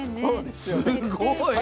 すごい。